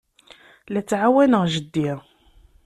La ttɛawaneɣ jeddi.